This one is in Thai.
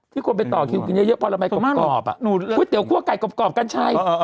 ที่คนไปต่อคิวกินเยอะพอละไหมกรอบอ่ะก๋วยเตี๋ยวคั่วไก่กรอบกันใช่